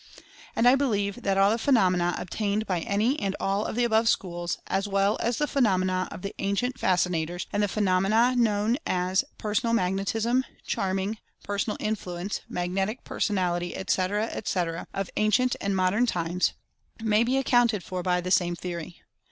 And I believe that all the phenomena obtained by any and all of the above schools; as well as the phe nomena of the Ancient Fascinators ; and the phenom ena known as "Personal Magnetism," "Charming," "Personal Influence," "Magnetic Personality," etc., etc., of ancient and modern times, may be accounted for by the same theory.